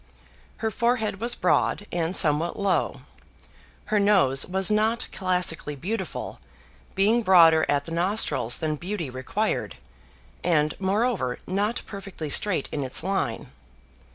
Her forehead was broad and somewhat low. Her nose was not classically beautiful, being broader at the nostrils than beauty required, and, moreover, not perfectly straight in its line.